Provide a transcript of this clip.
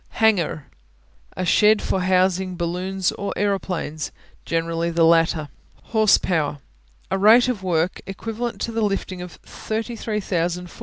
Hangar (hang'ar) A shed for housing balloons or aeroplanes, generally the latter. Horsepower A rate of work equivalent to the lifting of 33,000 ft.